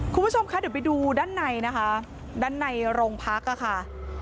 คุณผู้ชมคะเดี๋ยวไปดูด้านในนะคะด้านในโรงพักค่ะ